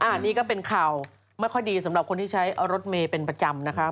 อันนี้ก็เป็นข่าวไม่ค่อยดีสำหรับคนที่ใช้รถเมย์เป็นประจำนะคะ